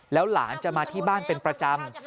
แล้วหลานจะมาที่บ้านเป็นประจำ